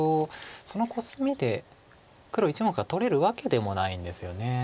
そのコスミで黒１目は取れるわけでもないんですよね。